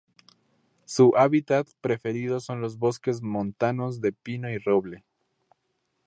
Su hábitat preferido son los bosques montanos de pino y roble.